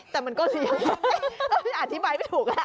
แต่มันก็เสียงอธิบายไม่ถูก